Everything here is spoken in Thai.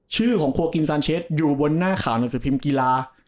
ชื่อของโคกินซานเชสอยู่บนหน้าข่าวหนังสือพิมพ์กีฬา